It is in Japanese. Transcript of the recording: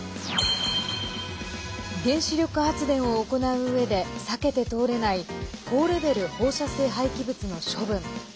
原子力発電を行ううえで避けて通れない高レベル放射性廃棄物の処分。